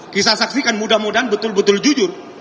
kisah saksikan mudah mudahan betul betul jujur